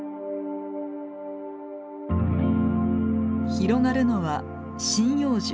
広がるのは針葉樹。